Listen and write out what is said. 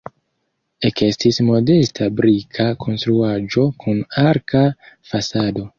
Ekestis modesta brika konstruaĵo kun arka fasado.